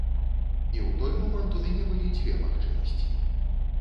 І ў той момант у мяне былі дзве магчымасці.